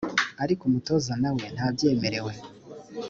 ariko umutoza nawe ntabyemerewe